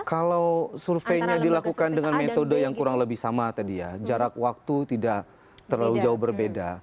kalau surveinya dilakukan dengan metode yang kurang lebih sama tadi ya jarak waktu tidak terlalu jauh berbeda